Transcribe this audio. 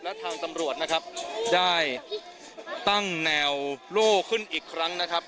และทางตำรวจนะครับได้ตั้งแนวโล่ขึ้นอีกครั้งนะครับ